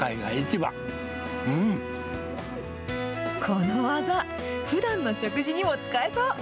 この技、ふだんの食事にも使えそう。